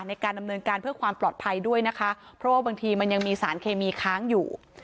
ในการดำเนินการเพื่อความปลอดภัยด้วยนะคะเพราะว่าบางทีมันยังมีสารเคมีค้างอยู่